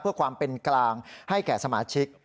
เพื่อความเป็นกลางให้แก่สมาชิก